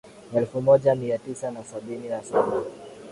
elfu moja mia tisa na sabini na saba